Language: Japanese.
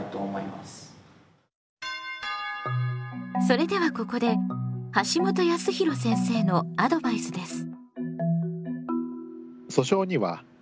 それではここで橋本康弘先生のアドバイスです。